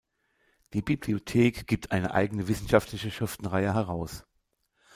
Die Bibliothek gibt eine eigene wissenschaftliche Schriftenreihe heraus.